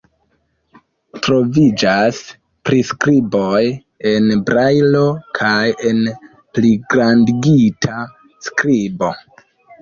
Troviĝas priskriboj en brajlo kaj en pligrandigita skribo.